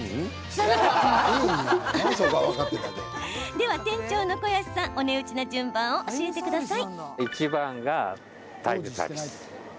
では、店長の小安さんお値打ちな順番を教えてください。